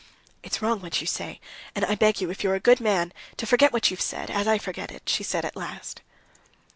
"It's wrong, what you say, and I beg you, if you're a good man, to forget what you've said, as I forget it," she said at last.